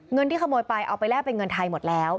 เงินที่ขโมยไปเอาไปแลกเป็นเงินไทยหมดแล้ว